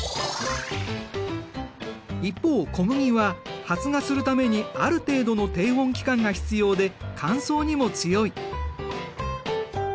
一方小麦は発芽するためにある程度の低温期間が必要で乾燥にも強い。